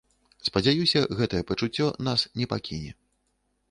Спадзяюся, гэтае пачуццё нас не пакіне.